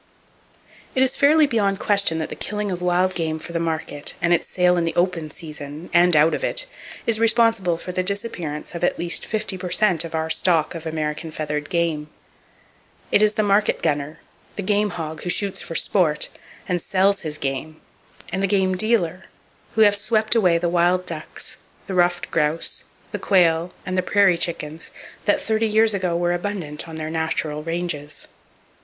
It is fairly beyond question that the killing of wild game for the market, and its sale in the "open season" and out of it, is responsible for the disappearance of at least fifty per cent of our stock of American feathered game. It is the market gunner, the game hog who shoots "for sport" and sells his game, and the game dealer, who have swept away the wild ducks, the ruffed grouse, the quail and the prairie [Page 309] chickens that thirty years ago were abundant on their natural ranges.